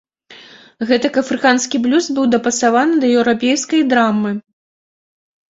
Гэтак афрыканскі блюз быў дапасаваны да еўрапейскай драмы.